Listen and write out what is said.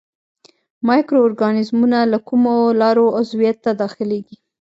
مایکرو ارګانیزمونه له کومو لارو عضویت ته داخليږي.